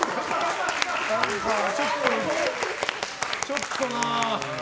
ちょっとな。